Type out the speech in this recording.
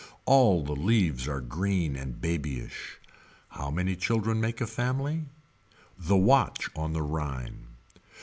All the leaves are green and babyish. How many children make a family. The Watch on the Rhine.